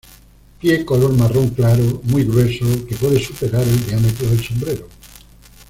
Pie color marrón claro, muy grueso, que puede superar el diámetro del sombrero.